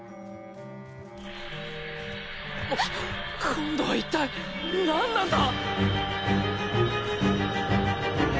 今度は一体何なんだ！